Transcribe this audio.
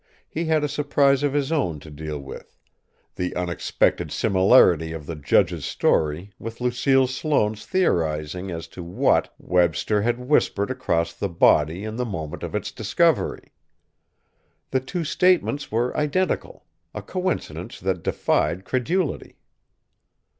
He had a surprise of his own to deal with: the unexpected similarity of the judge's story with Lucille Sloane's theorizing as to what Webster had whispered across the body in the moment of its discovery. The two statements were identical a coincidence that defied credulity.